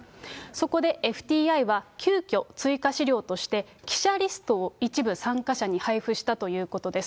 そこでＦＴＩは、急きょ、追加資料として、記者リストを一部参加者に配布したということです。